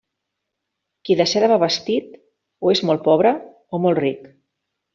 Qui de seda va vestit, o és molt pobre o molt ric.